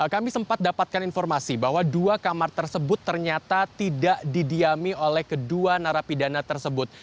kami sempat dapatkan informasi bahwa dua kamar tersebut ternyata tidak didiami oleh kedua narapidana tersebut